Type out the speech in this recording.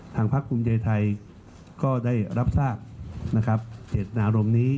ทางภาคภูมิใจไทยก็ได้รับทราบเกตนารมณ์นี้